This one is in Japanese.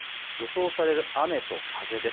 予想される雨と風です。